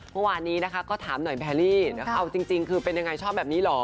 เมื่อวานนี้นะคะก็ถามหน่อยแพรรี่เอาจริงคือเป็นยังไงชอบแบบนี้เหรอ